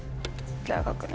じゃあ書くね。